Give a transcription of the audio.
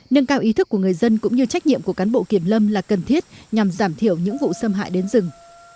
nâng cao ý thức của người dân cũng như trách nhiệm của cán bộ kiểm lâm là cần thiết nhằm giảm thiểu những vụ xâm hại đến rừng